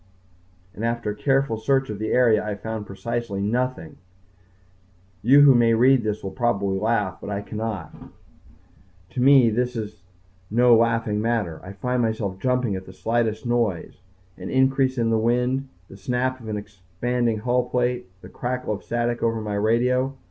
... and after a careful search of the area I found precisely nothing. You who may read this will probably laugh, but I cannot. To me this is no laughing matter. I find myself jumping at the slightest noise, an increase in the wind, the snap of an expanding hull plate, the crackle of static over my radio.